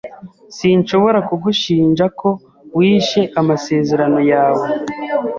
Sinshobora kugushinja ko wishe amasezerano yawe.